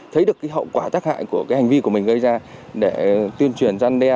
thấy được hậu quả tác hại của hành vi của mình gây ra để tuyên truyền gian đe